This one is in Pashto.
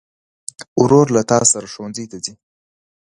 ورور له تا سره ښوونځي ته ځي.